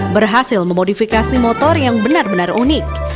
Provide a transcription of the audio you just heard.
berhasil memodifikasi motor yang benar benar unik